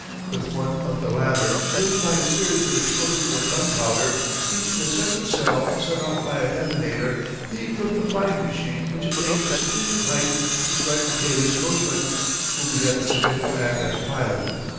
With one of the latter, driven by a series of explosions of gunpowder, each in a separate cell set off by a detonator, he equipped a flying machine which attained a sufficient height to frighten Cayley's coachman, whom he had persuaded to act as pilot.